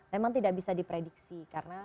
memang tidak bisa diprediksi